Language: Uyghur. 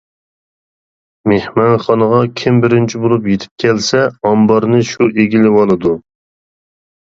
مېھمانخانىغا كىم بىرىنچى بولۇپ يېتىپ كەلسە، ئامبارنى شۇ ئىگىلىۋالىدۇ.